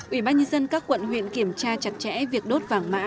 ủy ban nhân dân các quận huyện kiểm tra chặt chẽ việc đốt vàng mã